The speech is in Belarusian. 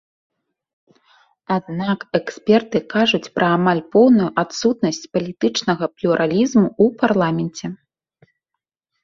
Аднак эксперты кажуць пра амаль поўную адсутнасць палітычнага плюралізму ў парламенце.